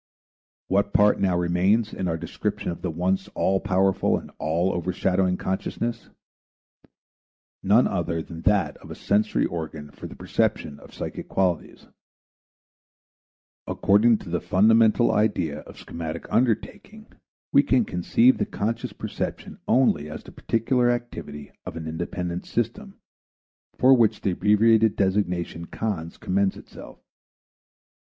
What part now remains in our description of the once all powerful and all overshadowing consciousness? None other than that of a sensory organ for the perception of psychic qualities. According to the fundamental idea of schematic undertaking we can conceive the conscious perception only as the particular activity of an independent system for which the abbreviated designation "Cons." commends itself.